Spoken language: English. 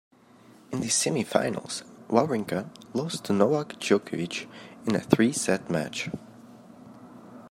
In the semifinals, Wawrinka lost to Novak Djokovic in a three set match.